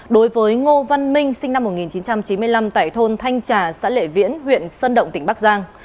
đối với ngô văn minh sinh năm một nghìn chín trăm chín mươi năm tại thôn thanh trà xã lệ viễn huyện sơn động tỉnh bắc giang